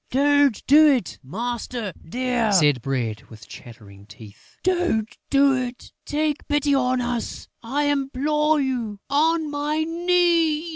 "Don't do it, master dear!" said Bread, with chattering teeth. "Don't do it! Take pity on us! I implore you on my knees!"